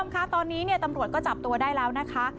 ก็ตอนนี้เนี่ยตัำรวจก็จับตัวได้แล้วนะคะ